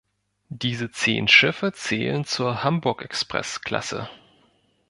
Diese zehn Schiffe zählen zur "Hamburg-Express"-Klasse.